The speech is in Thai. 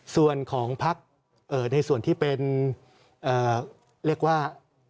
ส่วนของพักในส่วนที่เป็นเรียกว่า